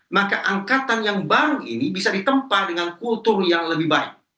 maka angkatan yang baru ini bisa ditempa dengan kultur yang lebih baik